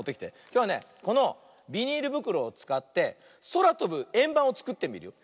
きょうはねこのビニールぶくろをつかってそらとぶえんばんをつくってみるよ。